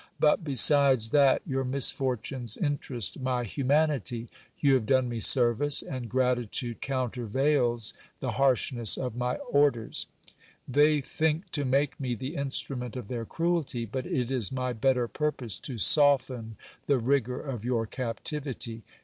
But besides that your misfortunes interest my humanity, you have done me service, and gratitude countervails the harshness of my orders. They think to make me the instrument of their cruelty, GIL BLAS, IN PR 'IS ON, MEETS WITH A FRIEND. 315 but it is my better purpose to soften the rigour of your captivity.